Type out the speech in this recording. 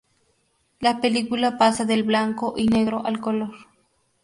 La película pasa del blanco y negro al color.